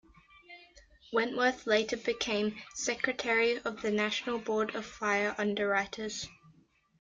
Wentworth later became secretary of the National Board of Fire Underwriters.